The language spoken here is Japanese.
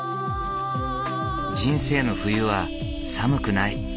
人生の冬は寒くない。